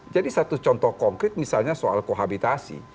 jadi satu contoh konkret misalnya soal kohabitasi